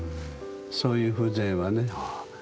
そういう風情はね。